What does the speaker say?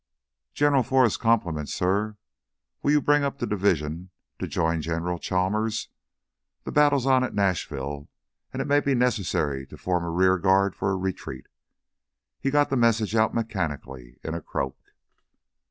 "General Forrest's compliments, suh. Will you bring up the division to join General Chalmers? The battle's on at Nashville, and it may be necessary to form a rear guard for a retreat " He got the message out mechanically in a croak.